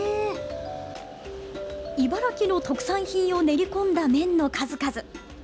茨城の特産品を練り込んだ麺の数々。